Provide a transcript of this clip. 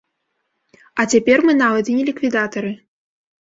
А цяпер мы нават і не ліквідатары.